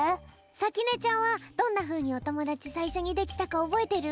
さきねちゃんはどんなふうにおともだちさいしょにできたかおぼえてる？